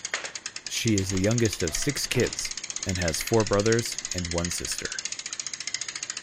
She is the youngest of six kids, and has four brothers and one sister.